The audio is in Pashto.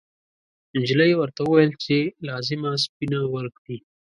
نجلۍ ورته وویل چې لازمه سپینه ورکړي.